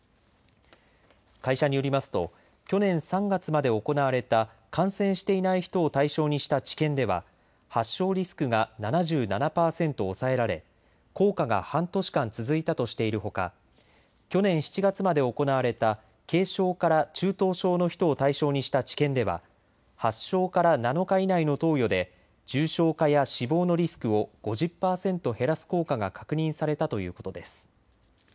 会社によりますと去年３月まで行われた感染していない人を対象にした治験では発症リスクが７７％抑えられ効果が半年間続いたとしているほか、去年７月まで行われた軽症から中等症の人を対象にした治験では発症から７日以内の投与で重症化や死亡のリスクを５０％減らす効果が確認されたということです。